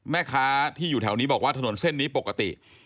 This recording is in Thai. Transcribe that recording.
แม่ค้าที่อยู่แถวนี้บอกว่าถนนเส้นนี้ปกติ